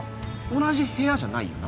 同じ部屋じゃないよな